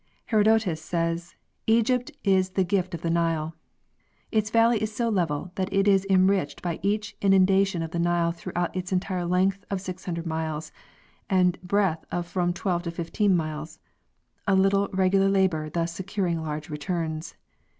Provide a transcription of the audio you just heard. Herodotus says, " Egypt is the gift of the Nile." Its valley is so level that it is enriched by each inundation of the Nile throughout its entire length of 600 miles and breadth of from 12 to 15 miles, a little regular labor thus securing large returns.